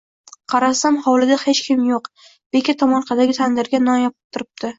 Qarasam, hovlida hech kim yo‘q, beka tomorqadagi tandirga non yopib turibdi